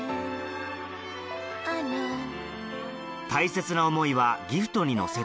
大切な思いはギフトに乗せて